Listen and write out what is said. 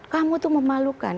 kamu itu memalukan